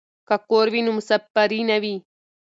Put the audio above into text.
که کور وي نو مسافري نه وي.